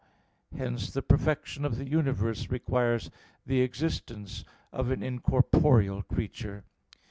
Hence the perfection of the universe requires the existence of an incorporeal creature.